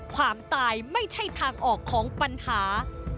ความตายไม่ใช่ทางออกของปัญหา